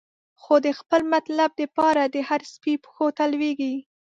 خو د خپل مطلب د پاره، د هر سپی پښو ته لویږی